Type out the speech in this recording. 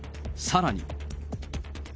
さらに。